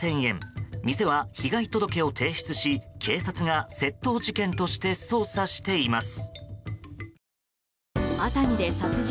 店は被害届を提出し警察が窃盗事件として捜査しています。